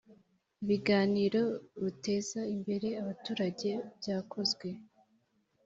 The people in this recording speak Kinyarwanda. ibiganiro buteza imbere abaturage byakozwe